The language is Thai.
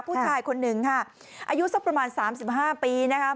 ผู้ชายคนหนึ่งค่ะอายุสักประมาณ๓๕ปีนะคะ